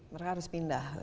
mereka harus pindah